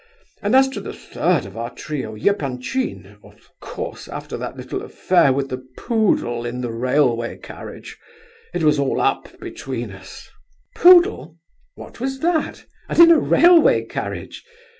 And as to the third of our trio, Epanchin, of course after that little affair with the poodle in the railway carriage, it was all up between us." "Poodle? What was that? And in a railway carriage?